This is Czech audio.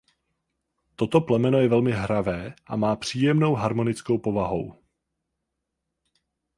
Toto plemeno je velmi hravé a má příjemnou a harmonickou povahou.